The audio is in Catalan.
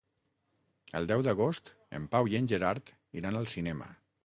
El deu d'agost en Pau i en Gerard iran al cinema.